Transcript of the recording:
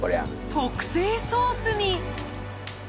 特製ソースに！